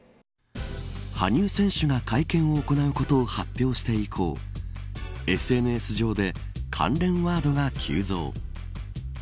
羽生選手が会見を行うことを発表して以降ＳＮＳ上で関連ワードが急増。